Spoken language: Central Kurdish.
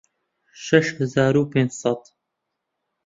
شەش هەزار و پێنج سەد